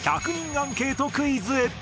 アンケートクイズ